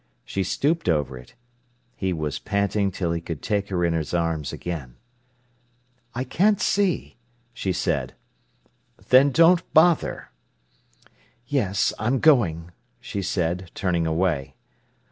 She stooped over it. He was panting till he could take her in his arms again. "I can't see," she said. "Then don't bother." "Yes; I'm going!" she said, turning away.